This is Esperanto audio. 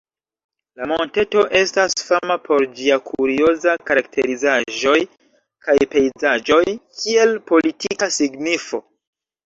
La monteto estas fama por ĝia kurioza karakterizaĵoj kaj pejzaĝoj, kiel politika signifo.